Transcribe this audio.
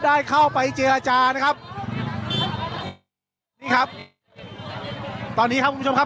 ได้เข้าไปเจรจานะครับนี่ครับตอนนี้ครับคุณผู้ชมครับ